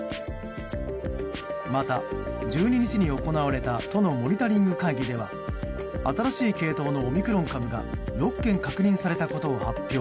また、１２日に行われた都のモニタリング会議では新しい系統のオミクロン株が６件確認されたことを発表。